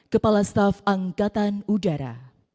kepala staf angkatan udara